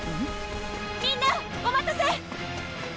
・みんなお待たせ！